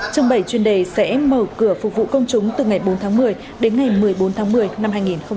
trưng bày chuyên đề sẽ mở cửa phục vụ công chúng từ ngày bốn tháng một mươi đến ngày một mươi bốn tháng một mươi năm hai nghìn hai mươi